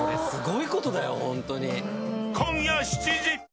今夜７時。